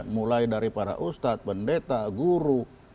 mulai dari para ustadz pendeta guru